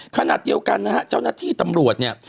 ขณะเดียวกันนะฮะเจ้าหน้าที่ตำรวจเนี่ย